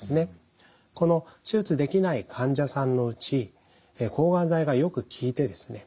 この手術できない患者さんのうち抗がん剤がよく効いてですね